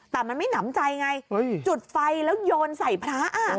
แต่มันไม่หนำใจไงจุดไฟแล้วโยนใส่พระ